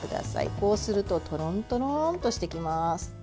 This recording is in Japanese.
こうするととろんとろんとしてきます。